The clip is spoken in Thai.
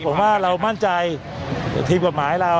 ผมว่าเรามั่นใจทีมกฎหมายเรา